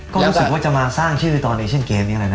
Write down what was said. ก็คิดว่าจะมาสร้างชื่อตอนแอชะน์เกม